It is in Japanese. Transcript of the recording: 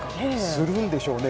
するんでしょうね。